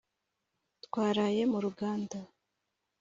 Twaraye mu ruganda,